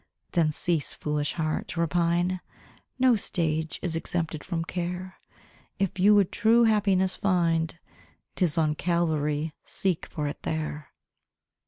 Then cease, foolish heart, to repine, No stage is exempted from care; If you would true happiness find, 'Tis on Calvary seek for it there.